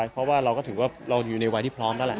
เพราะว่าเราก็ถือว่าเราอยู่ในวัยที่พร้อมแล้วแหละ